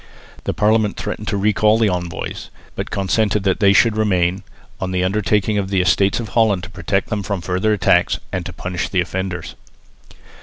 The Parliament threatened to recall the envoys, but consented that they should remain, on the undertaking of the Estates of Holland to protect them from further attacks, and to punish the offenders.